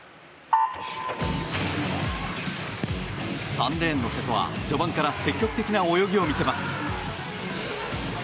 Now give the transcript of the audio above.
３レーンの瀬戸は序盤から積極的な泳ぎを見せます。